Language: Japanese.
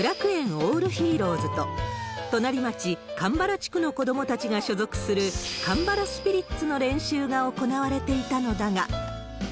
オールヒーローズと、隣町、神原地区の子どもたちが所属する神原スピリッツの練習が行われていたのだが。